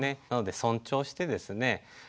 なので尊重してですね